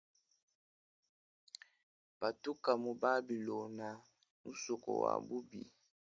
Patuka mu babilona musoko wa bubi.